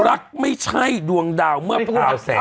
รักไม่ใช่ดวงดาวเมื่อพราวแสง